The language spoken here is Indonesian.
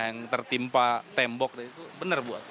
yang tertimpa tembok itu bener buat